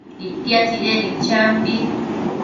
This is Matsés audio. itia tsidecnid champi